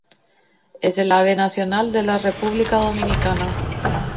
Es el ave nacional de la República Dominicana.